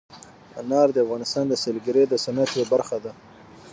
انار د افغانستان د سیلګرۍ د صنعت یوه برخه ده.